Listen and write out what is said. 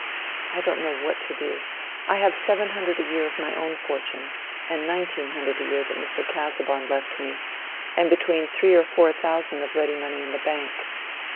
I don't know what to do. I have seven hundred a year of my own fortune, and nineteen hundred a year that Mr. Casaubon left me, and between three and four thousand of ready money in the bank.